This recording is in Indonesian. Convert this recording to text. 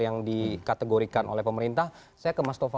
yang dikategorikan oleh pemerintah saya ke mas tova